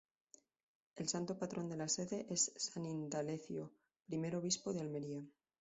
El santo patrón de la sede es San Indalecio, primer obispo de Almería.